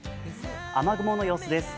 雨雲の様子です。